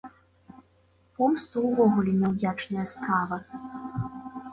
Помста ўвогуле няўдзячная справа.